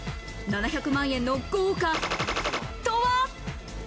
７００万円の豪華とは？